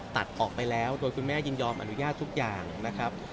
ตัดออกไปแล้วโดยคุณแม่ยินยอมอนุญาตทุกอย่างนะครับ